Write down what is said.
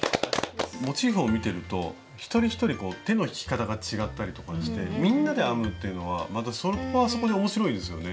モチーフを見てると一人一人手の引き方が違ったりとかしてみんなで編むというのはそこはそこで面白いですよね。